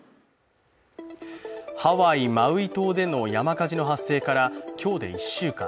ハワイ・マウイ島での山火事の発生から今日で１週間。